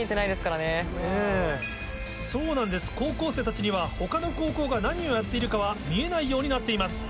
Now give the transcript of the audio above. そうなんです高校生たちには他の高校が何をやっているかは見えないようになっています。